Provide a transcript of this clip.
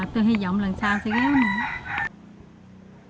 tôi hy vọng lần sau sẽ ghé hơn nữa